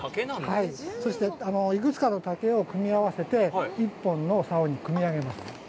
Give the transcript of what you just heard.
そして、幾つかの竹を組み合わせて１本の竿に組み上げます。